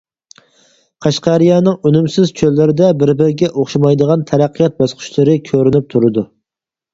قەشقەرىيەنىڭ ئۈنۈمسىز چۆللىرىدە بىر-بىرىگە ئوخشىمايدىغان تەرەققىيات باسقۇچلىرى كۆرۈنۈپ تۇرىدۇ.